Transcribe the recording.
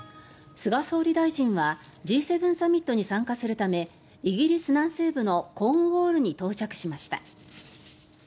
菅総理大臣はＧ７サミットに参加するためイギリス南西部のコーンウォールに到着しました。